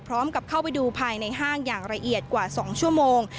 พร้อมกับเข้าไปดูภายในห้างอย่างละเอียดกว่าสองชั่วโมง